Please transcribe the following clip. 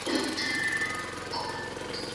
বাচ্চাদের চিল্লাপাল্লা আমাদেরও সারারাত জাগিয়ে রেখেছিল!